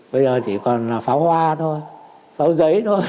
bây giờ chỉ còn là pháo hoa thôi pháo giấy thôi